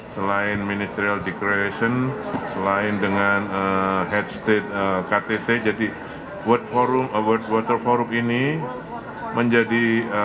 selain ministerial decreation selain dengan head state ktt jadi world forum award water forum ini menjadi